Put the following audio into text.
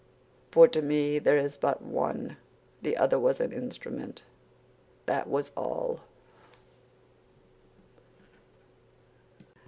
For to me there is but one; the other was an instrument, that was all."